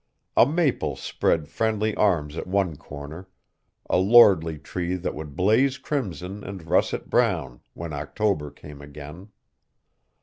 A maple spread friendly arms at one corner, a lordly tree that would blaze crimson and russet brown when October came again.